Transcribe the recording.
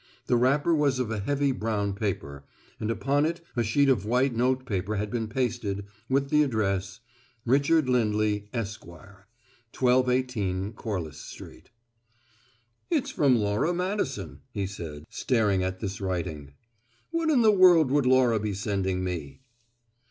The wrapper was of heavy brown paper, and upon it a sheet of white notepaper had been pasted, with the address: "Richard Lindley, Esq., 1218 Corliss Street." "It's from Laura Madison," he said, staring at this writing. "What in the world would Laura be sending me?"